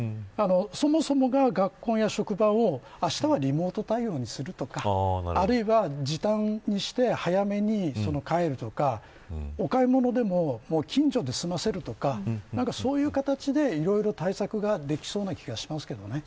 そもそもが、学校や職場をあしたはリモート対応にするとかあるいは時短にして早めに帰るとかお買い物でも近所で済ませるとかそういう形で、いろいろ対策ができそうな気がしますけどね。